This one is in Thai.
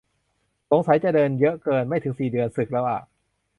สงสัยจะเดินเยอะเกิน ไม่ถึงสี่เดือน สึกแล้วอ่ะ